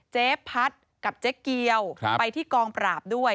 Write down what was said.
เจ๊พัดกับเจ๊เกียวไปที่กองปราบด้วย